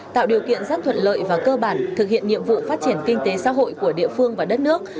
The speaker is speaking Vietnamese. tạo điều kiện rất thuận lợi và cơ bản thực hiện nhiệm vụ phát triển kinh tế xã hội của địa phương và đất nước